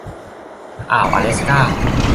อ่าวอะแลสกา